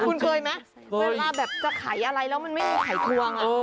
คุณเคยไหมเวลาแบบจะขายอะไรแล้วมันไม่มีไขทวง